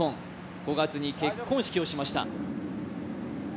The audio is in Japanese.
５月に結婚式をしました。